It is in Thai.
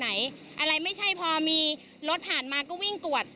อะไรไม่ใช่พอมีรถผ่านมาก็วิ่งตรวจ